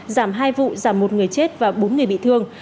giảm hai vụ giảm một người chết và bốn người bị thương